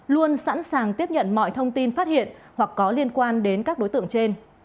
luôn sẵn sàng tiếp nhận mọi thông tin phát hiện hoặc có liên quan đến các đối tượng trên